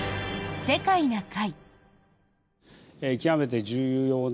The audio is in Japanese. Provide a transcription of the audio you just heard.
「世界な会」。